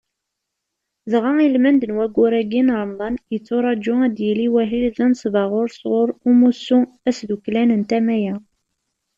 Dɣa ilmend n waggur-agi n Remḍan, yetturaǧu ad yili wahil d anesbaɣur sɣur umussu asdukklan n tama-a.